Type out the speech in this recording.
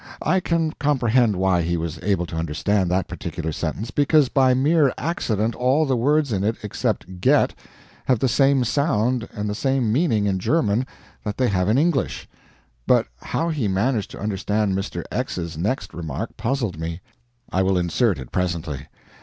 I can comprehend why he was able to understand that particular sentence, because by mere accident all the words in it except "get" have the same sound and the same meaning in German that they have in English; but how he managed to understand Mr. X's next remark puzzled me. I will insert it, presently.